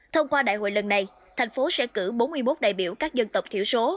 thông qua đại hội lần này thành phố sẽ cử bốn mươi một đại biểu các dân tộc thiểu số